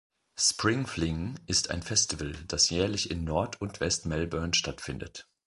„Spring Fling“ ist ein Festival, das jährlich in Nord- und West-Melbourne stattfindet.